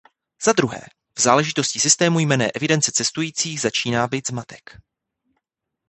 Zadruhé, v záležitosti systému jmenné evidence cestujících začíná být zmatek.